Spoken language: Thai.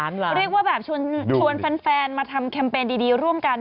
เรียกว่าแบบชวนแฟนมาทำแคมเปญดีร่วมกัน